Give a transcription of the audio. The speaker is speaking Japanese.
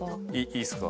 いいっすか？